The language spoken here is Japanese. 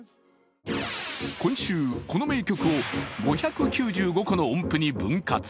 今週、この名曲を５９５個の音符に分割。